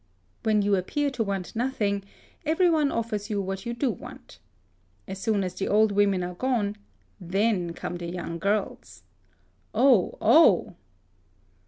When you appear to want nothing, every one offers you what you do want. As soon as the old women are gone, then come the young girls," (oh, oh